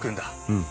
うん。